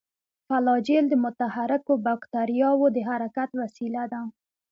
فلاجیل د متحرکو باکتریاوو د حرکت وسیله ده.